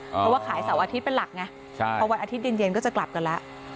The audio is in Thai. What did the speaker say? เพราะว่าขายเสาร์อาทิตย์เป็นหลักไงพอวันอาทิตย์เย็นก็จะกลับกันแล้ว